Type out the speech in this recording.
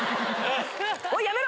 おいやめろ！